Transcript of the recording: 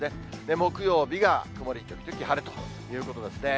木曜日が曇り時々晴れということですね。